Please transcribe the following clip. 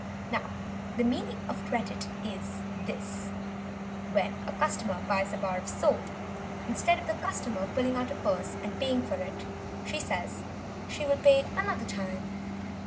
Now the meaning of "credit" is this when a customer buys a bar of soap, instead of the customer pulling out a purse and paying for it she says she will pay another time.